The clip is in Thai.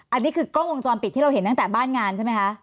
อันนี้คือกล้องวงจรปิดที่เราเห็นตั้งแต่บ้านงานใช่ไหมคะ